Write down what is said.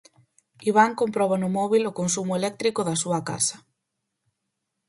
Iván comproba no móbil o consumo eléctrico da súa casa.